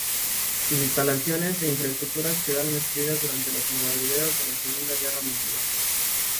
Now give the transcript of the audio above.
Sus instalaciones e infraestructuras quedaron destruidas durante los bombardeos de la Segunda Guerra Mundial.